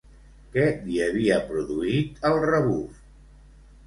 Què li havia produït el rebuf?